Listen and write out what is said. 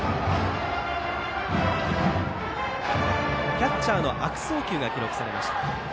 キャッチャーの悪送球が記録されました。